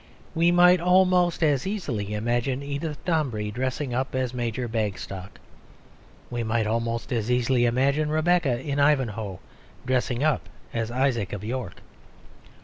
We might almost as easily imagine Edith Dombey dressing up as Major Bagstock. We might almost as easily imagine Rebecca in Ivanhoe dressing up as Isaac of York.